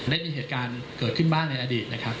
ได้มีเหตุการณ์เกิดขึ้นบ้างในอดีตนะครับ